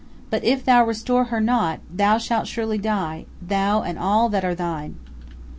But if thou restore her not, thou shalt surely die, thou and all that are thine."